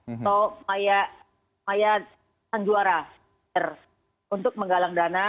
atau maya tanjuara untuk menggalang dana